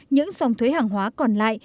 những dòng thuế hàng hóa còn lại